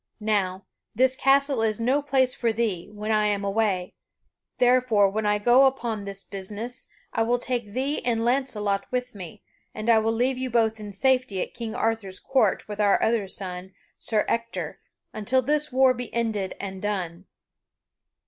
Now, this castle is no place for thee, when I am away, therefore, when I go upon this business, I will take thee and Launcelot with me, and I will leave you both in safety at King Arthur's court with our other son, Sir Ector, until this war be ended and done."